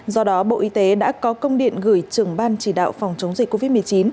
do đó bộ y tế đã có công điện gửi trưởng ban chỉ đạo phòng chống dịch covid một mươi chín